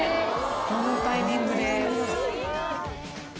どのタイミングで？